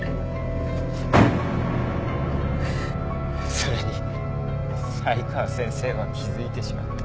それに才川先生は気づいてしまった。